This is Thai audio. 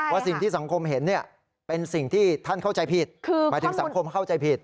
สิ่งที่สังคมเห็นเป็นสิ่งที่ท่านเข้าใจผิดหมายถึงสังคมเข้าใจผิด